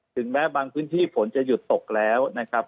ถึงแม้บางพื้นที่ฝนจะหยุดตกแล้วนะครับ